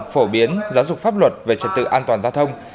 phổ biến giáo dục pháp luật về trật tự an toàn giao thông